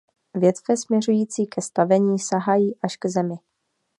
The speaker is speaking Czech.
Větve směřující ke stavení sahají až k zemi.